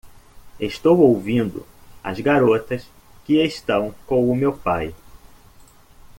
Estou ouvindo as garotas, que estão com o meu pai?